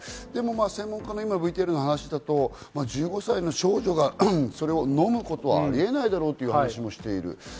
でも専門家の話だと１５歳の少女がそれを飲むことはあり得ないだろうという話もしている。